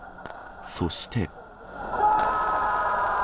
そして。